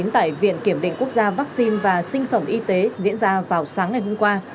tại viện kiểm định quốc gia vaccine và sinh phẩm y tế diễn ra vào sáng ngày hôm qua